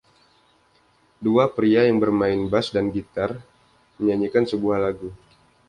Dua pria yang bermain bas dan gitar menyanyikan sebuah lagu.